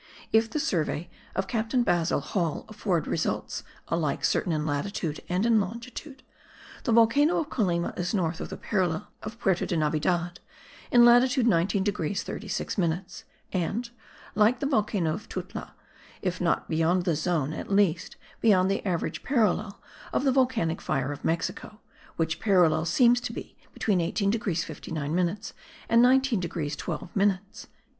If the survey of Captain Basil Hall afford results alike certain in latitude and in longitude, the volcano of Colima is north of the parallel of Puerto de Navidad in latitude 19 degrees 36 minutes; and, like the volcano of Tuxtla, if not beyond the zone, at least beyond the average parallel of the volcanic fire of Mexico, which parallel seems to be between 18 degrees 59 minutes and 19 degrees 12 minutes.)